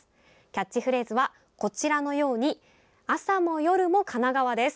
キャッチフレーズはこちらのように「朝も夜も神奈川。」です。